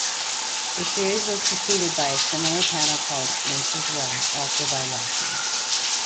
The series was preceded by a similar panel called "Nature's Way", also by Larson.